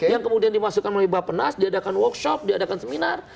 yang kemudian dimasukkan melalui bapenas diadakan workshop diadakan seminar